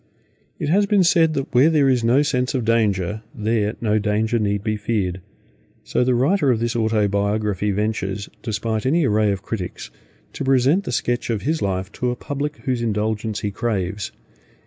It has been said that where there is no sense of danger, there no danger need be feared; so the writer of this Autobiography ventures, despite any array of critics, to present the sketch of his life to a public whose indulgence he craves.